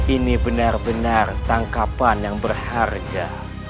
ini benar benar tangkapan yang berharga